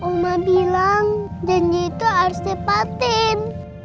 mama bilang janji itu harus ditepatin